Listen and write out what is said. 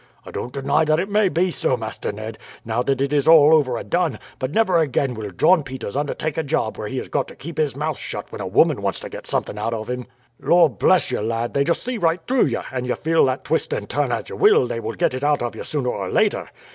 "I don't deny that that may be so, Master Ned, now that it is all over and done; but never again will John Peters undertake a job where he is got to keep his mouth shut when a woman wants to get something out of him. Lor' bless you, lad, they just see right through you; and you feel that, twist and turn as you will, they will get it out of you sooner or later.